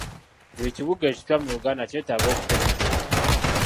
Buli kibuga ekipya mu Uganda kyetaaga okutegekerwa.